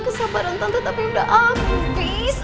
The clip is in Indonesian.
kesabaran tante tapi udah habis